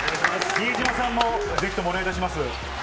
比江島さんも、ぜひともお願いいたします。